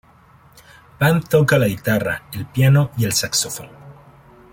Band toca la guitarra, el piano y el saxofón.